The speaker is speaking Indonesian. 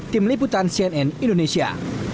tim liputan cnn indonesia